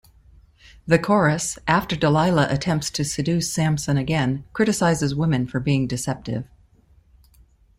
The Chorus, after Delila attempts to seduce Samson again, criticises women for being deceptive.